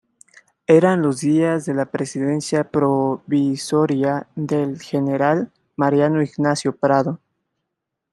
Eran los días de la presidencia provisoria del general Mariano Ignacio Prado.